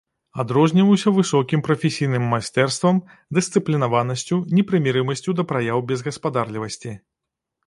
Адрозніваўся высокім прафесійным майстэрствам, дысцыплінаванасцю, непрымірымасцю да праяў безгаспадарлівасці.